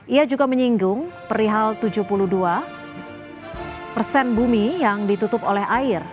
ia juga menyinggung perihal tujuh puluh dua persen bumi yang ditutup oleh air